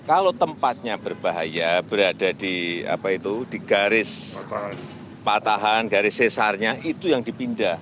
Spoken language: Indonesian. kalau tempatnya berbahaya berada di garis patahan garis sesarnya itu yang dipindah